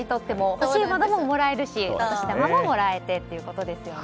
欲しいものももらえるしお年玉ももらえてってことですよね。